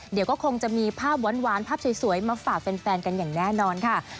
เดี๋ยวก็คงจะมีภาพหวานภาพสวยมาฝากแฟนกันอย่างแน่นอนค่ะ